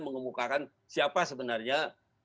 mengungkapkan siapa sebenarnya